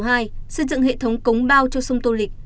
xây dựng hệ thống cống bao cho sông tô lịch